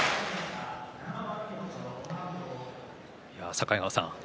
境川さん